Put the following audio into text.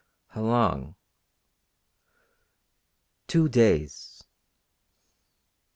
"How long...." "Two days."